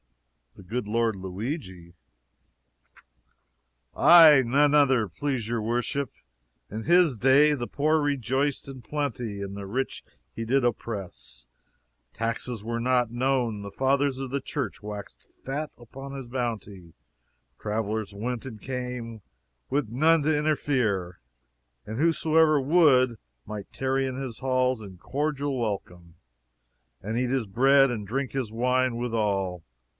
"The good Lord Luigi?" "Aye, none other, please your worship. In his day, the poor rejoiced in plenty and the rich he did oppress; taxes were not known, the fathers of the church waxed fat upon his bounty; travelers went and came, with none to interfere; and whosoever would, might tarry in his halls in cordial welcome, and eat his bread and drink his wine, withal.